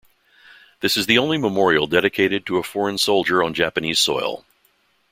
This is the only memorial dedicated to a foreign soldier on Japanese soil.